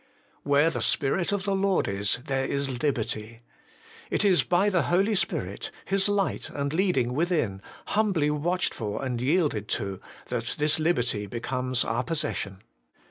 ' Where the Spirit of the Lord is, there is liberty.' It is by the Holy Spirit, His light and leading within, humbly watched for and yielded to, that this liberty becomes our possession.